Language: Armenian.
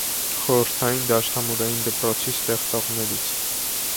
Խորհրդային դաշնամուրային դպրոցի ստեղծողներից։